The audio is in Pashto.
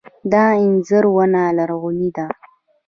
د انځر ونه لرغونې ده